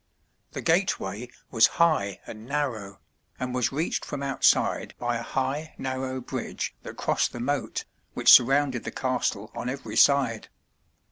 The gateway was high and narrow, and was reached from outside by a high, narrow bridge that crossed the moat, which surrounded the castle on every side.